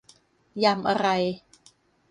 ยำอะไร